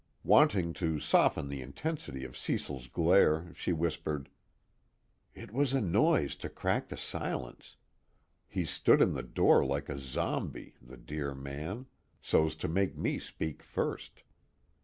Wanting to soften the intensity of Cecil's glare, she whispered: "It was a noise to crack the silence. He stood in the door like a zombi, the dear man, so's to make me speak first."